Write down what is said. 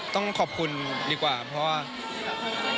ต้องขอบคุณดีกว่าเพราะว่า